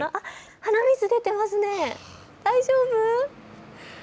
鼻水出ていますね、大丈夫？